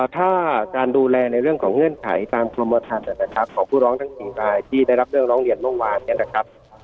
ถ้าการดูแลในเรื่องของเงื่อนไขตามกรมทันนะครับของผู้ร้องทั้ง๔รายที่ได้รับเรื่องร้องเรียนเมื่อวานเนี่ยนะครับ